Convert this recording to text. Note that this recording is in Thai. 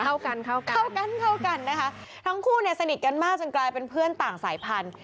เข้ากันนะคะทั้งคู่สนิทกันมากจนกลายเป็นเพื่อนต่างสายพันธุ์